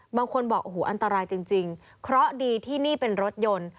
บางคนบอกโอ้โหอันตรายจริงเคราะห์ดีที่นี่เป็นรถยนต์